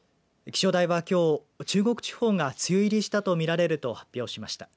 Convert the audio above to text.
気象庁は、きょう中国地方が梅雨入りしたとみられると発表しました。